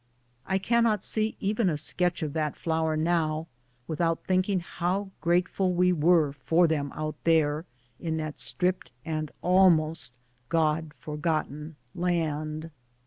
I cannot see even a sketch of that flower now without thinking how grateful we were for them out there in that stripped and almost " God forgotten " land.